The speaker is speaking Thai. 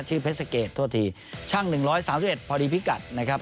ชื่อเพชรเกรดโทษทีช่างหนึ่งร้อยสามสิบเอ็ดพอดีพิกัดนะครับ